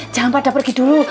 jangan pada pergi dulu